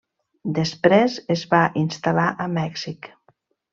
Després es va instal·lar a Mèxic.